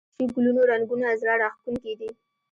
د وحشي ګلونو رنګونه زړه راښکونکي دي